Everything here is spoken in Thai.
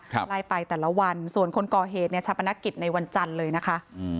ไล่ไปแต่ละวันส่วนคนก่อเหตุเนี่ยชาปนกิจในวันจันทร์เลยนะคะอืม